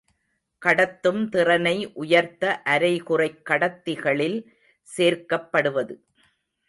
கடத்தும் திறனை உயர்த்த அரைகுறைக் கடத்திகளில் சேர்க்கப்படுவது.